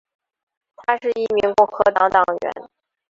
她是一名共和党党员。